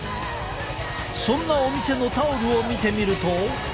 そんなお店のタオルを見てみると。